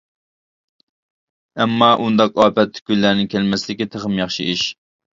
ئەمما ئۇنداق ئاپەتلىك كۈنلەرنىڭ كەلمەسلىكى تېخىمۇ ياخشى ئىش!